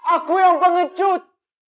aku yang pengecut